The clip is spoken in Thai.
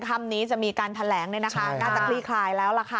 คำนี้จะมีการแถลงน่าจะคลี่คลายแล้วล่ะค่ะ